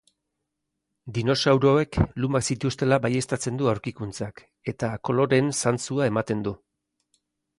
Dinosauroek lumak zituztela baieztatzen du aurkikuntzak, eta koloreen zantzua ematen du.